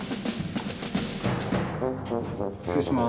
失礼します。